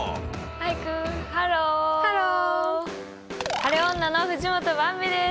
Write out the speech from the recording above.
晴れ女の藤本ばんびです。